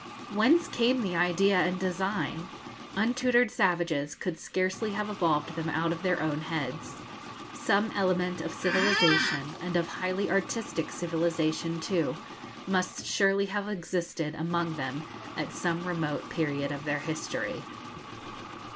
Whence came the idea and design? Untutored savages could scarcely have evolved them out of their own heads. Some element of civilisation, and of highly artistic civilisation too, must surely have existed among them at some remote period of their history.